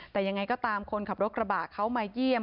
แต่ยังไงก็ตามคนขับรถกระบะเขามาเยี่ยม